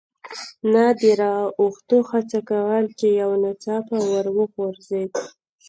نه د را اوښتو هڅه کول، چې یو ناڅاپه ور وغورځېد.